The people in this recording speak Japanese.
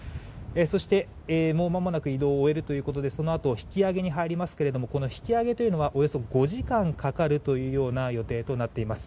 そして、もうまもなく移動を終えるということでそのあと引き揚げに入りますがこの引き揚げというのがおよそ５時間かかるというような予定となっています。